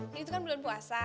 ini tuh kan bulan puasa